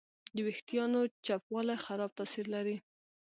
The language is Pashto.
د وېښتیانو چپوالی خراب تاثیر لري.